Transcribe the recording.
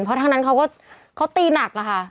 เพราะทั้งนั้นเขาก็ตีหนักอะค่ะ